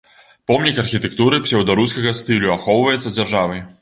Помнік архітэктуры псеўдарускага стылю, ахоўваецца дзяржавай.